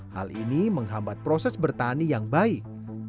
hal ini menghambat proses bertani yang baik